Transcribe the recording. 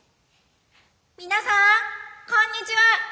皆さんこんにちは！